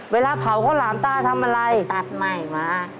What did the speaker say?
เวลาเผาข้าวหลามตาทำอะไรตัดใหม่มา